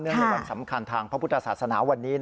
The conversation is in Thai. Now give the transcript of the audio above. ในวันสำคัญทางพระพุทธศาสนาวันนี้